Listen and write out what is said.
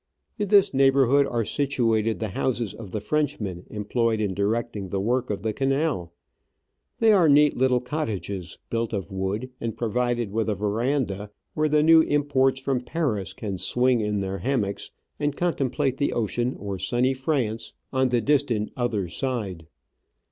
In this neighbour hood are situated the houses of the Frenchmen employed in directing the work of the canal ; they are neat little cottages, built of wood, and pro vided with a verandah where the new imports from Paris can swing in their hammocks and contemplate the ocean or sunny France on the distant other side.